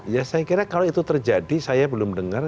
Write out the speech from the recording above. ya saya kira kalau itu terjadi saya belum dengar